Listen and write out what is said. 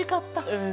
うん。